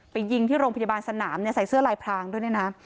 ยิงที่โรงพยาบาลสนามใส่เสื้อลายพรางด้วยเนี่ยนะ